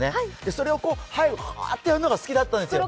それをくわってやるのが好きだったんですよ。